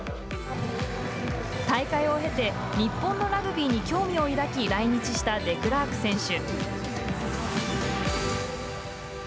大会を経て日本のラグビーに興味を抱き来日したデクラーク選手。